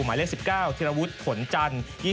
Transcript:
หมายเลข๑๙ทีระวุธผลจันทร์